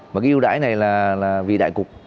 và cái ưu đại này là vì đại cục